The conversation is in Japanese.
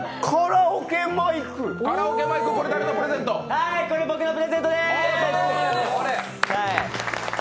はーい、これ僕のプレゼントでーす。